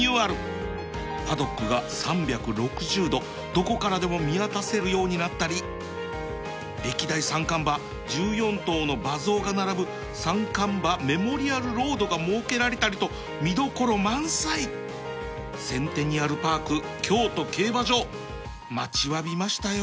パドックが３６０度どこからでも見渡せるようになったり歴代三冠馬１４頭の馬像が並ぶ三冠馬メモリアルロードが設けられたりと見どころ満載センテニアル・パーク京都競馬場待ちわびましたよ